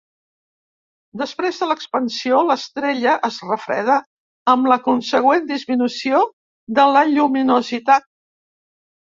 Després de l'expansió, l'estrella es refreda, amb la consegüent disminució de la lluminositat.